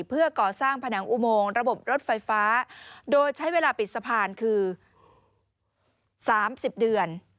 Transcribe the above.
เพื่อก่อสร้างผนังอุโมงระบบรถไฟฟ้าโดยใช้เวลาปิดสะพานคือ๓๐เดือน